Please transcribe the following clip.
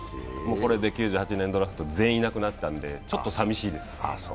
これで９８年ドラフト、全員いなくなったんでちょっと寂しいです。